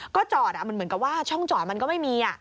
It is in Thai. ก็จอดมันเหมือนกับว่าช่องจอดมันก็ไม่มี